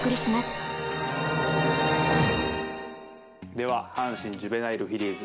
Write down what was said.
では阪神ジュベナイルフィリーズ